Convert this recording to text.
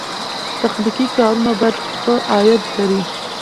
تخنیکي کارونه ښه عاید لري.